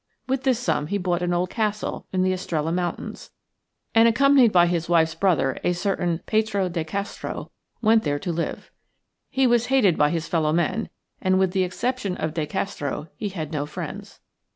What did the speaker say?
With this sum he bought an old castle in the Estrella Mountains, and, accompanied by his wife's brother, a certain Petro de Castro, went there to live. He was hated by his fellow men and, with the exception of De Castro, he had no friends.